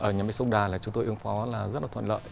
nhà máy sông đà là chúng tôi ứng phó là rất là thuận lợi